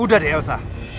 udah deh elsa